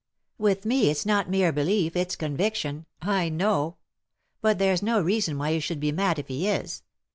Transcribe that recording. " With me it's not mere belief, it's conviction ; I know. But there's no reason why you should be mad if he is.